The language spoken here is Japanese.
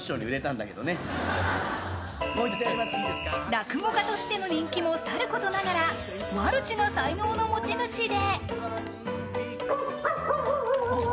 落語家としての人気もさることながらマルチな才能の持ち主で。